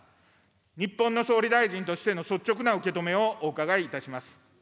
日本の総理大臣としての率直な受け止めをお伺いいたします。